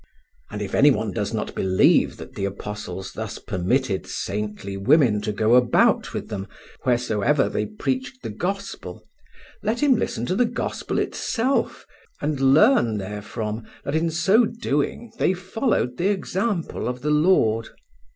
And if any one does not believe that the apostles thus permitted saintly women to go about with them wheresoever they preached the Gospel, let him listen to the Gospel itself, and learn therefrom that in so doing they followed the example of the Lord.